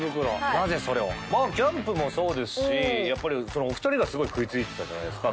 なぜそれをまあキャンプもそうですしやっぱりお二人がすごい食いついてたじゃないですか